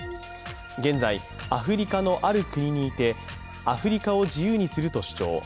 現在、アフリカのある国にいてアフリカを自由にすると主張。